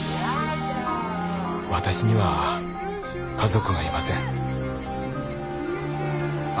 私には家族がいません。